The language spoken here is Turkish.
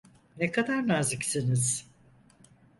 Ne kadar naziksiniz.